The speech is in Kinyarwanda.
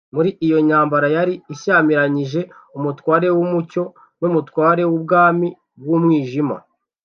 Muri iyo ntambara yari ishyamiranije Umutware w’umucyo n’umutware w’ubwami bw’umwijima,